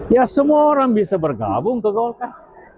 ya semua orang bisa bergabung ke golkar